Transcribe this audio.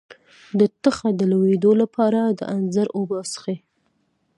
د تخه د لوییدو لپاره د انځر اوبه وڅښئ